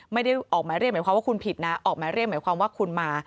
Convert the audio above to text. ไม่ได้ออกหมายเรียกหมายความว่าคุณผิดนะออกหมายเรียกหมายความว่าคุณมา